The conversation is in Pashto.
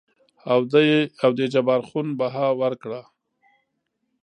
او دې جبار خون بها ورکړه.